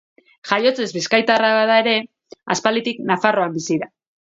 Jaiotzez bizkaitarra bada ere, aspalditik Nafarroan bizi da.